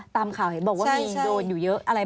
ตามข่าวบอกว่ามีโดนอยู่เยอะอะไรบ้าง